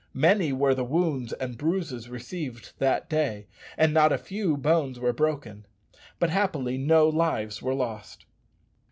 Many were the wounds and bruises received that day, and not a few bones were broken, but happily no lives were lost.